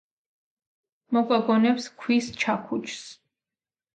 მოგვაგონებს „ქვის ჩაქუჩს“.